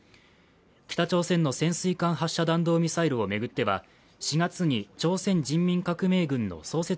北朝鮮の潜水艦発射弾道ミサイルを巡っては４月に朝鮮人民革命軍の創設